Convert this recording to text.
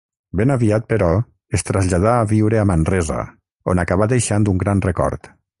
Ben aviat, però, es traslladà a viure a Manresa, on acabà deixant un gran record.